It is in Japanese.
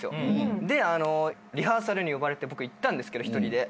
でリハーサルに呼ばれて行ったんです一人で。